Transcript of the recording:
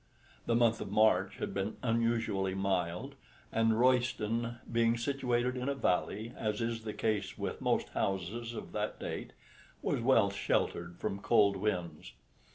The month of March had been unusually mild, and Royston being situated in a valley, as is the case with most houses of that date, was well sheltered from cold winds.